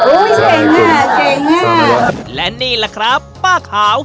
อุ้ยเก่งอ่ะเก่งอ่ะสวัสดีคุณค่ะและนี่แหละครับป้าขาว